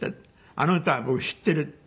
「あの歌は僕知っている」って。